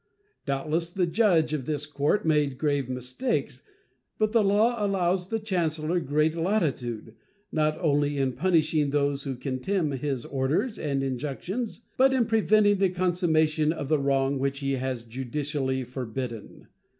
Doubtless the judge of this court made grave mistakes; but the law allows the chancellor great latitude, not only in punishing those who contemn his orders and injunctions, but in preventing the consummation of the wrong which he has judicially forbidden.